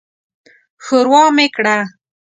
ښوروا مې کړه.